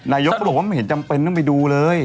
นายกก็บอกว่าไม่เห็นจำเป็นต้องไปดูเลย